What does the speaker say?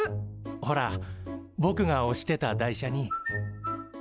ほらぼくがおしてた台車に。